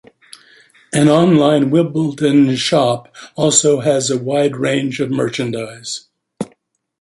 An online Wimbledon shop also has a wide range of merchandise.